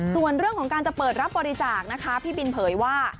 ส่วนเรื่องของการจะเปิดรับบริจาคนะคะพี่บินเผยว่า